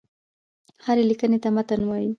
هري ليکني ته متن وايي.